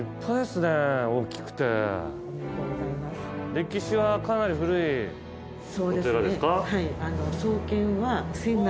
歴史はかなり古いお寺ですか？